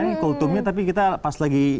ini kultumnya tapi kita pas lagi